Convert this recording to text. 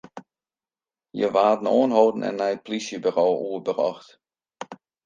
Hja waarden oanholden en nei it polysjeburo oerbrocht.